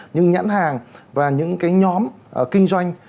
những nhãn hàng và những nhóm kinh doanh